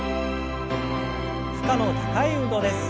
負荷の高い運動です。